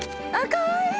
かわいい！